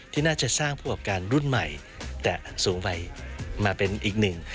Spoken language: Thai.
ที่น่าจะสร้างผู้ประกอบการรุ่นใหม่แต่สูงวัยมาเป็นอีกหนึ่ง